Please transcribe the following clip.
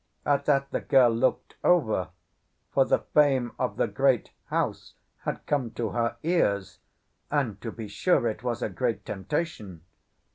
At that the girl looked over, for the fame of the great house had come to her ears; and, to be sure, it was a great temptation.